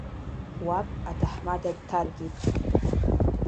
Уаб аҭаҳмада дҭаркит.